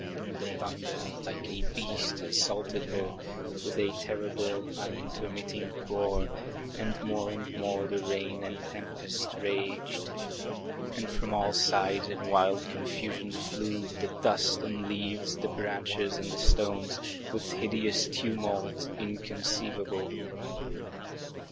The thunder, like a beast, assaulted her, With terrible, unintermitting roar; And more and more the rain and tempest raged. And from all sides in wild confusion flew The dust and leaves, the branches and the stones, With hideous tumult, inconceivable.